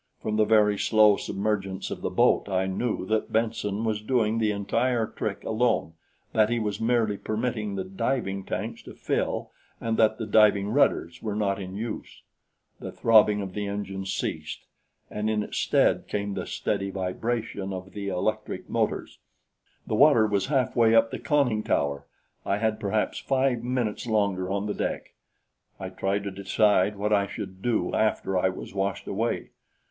From the very slow submergence of the boat I knew that Benson was doing the entire trick alone that he was merely permitting the diving tanks to fill and that the diving rudders were not in use. The throbbing of the engines ceased, and in its stead came the steady vibration of the electric motors. The water was halfway up the conning tower! I had perhaps five minutes longer on the deck. I tried to decide what I should do after I was washed away.